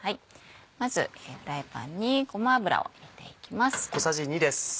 まずフライパンにごま油を入れていきます。